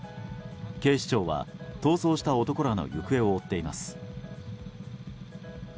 警視庁は、逃走した男らの行方を追っています。